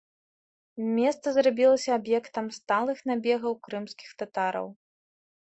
Места зрабілася аб'ектам сталых набегаў крымскіх татараў.